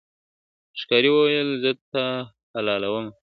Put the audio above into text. ښکاري وویل زه تا حلالومه ..